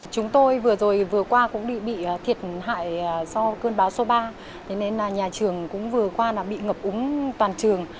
chúng tôi vừa rồi vừa qua cũng bị thiệt hại do cơn bão số ba nên nhà trường cũng vừa qua là bị ngập úng toàn trường